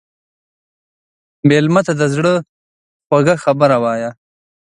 مېلمه ته د زړه خوږه خبره وایه.